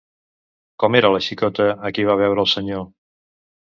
Com era la xicota a qui va veure el senyor?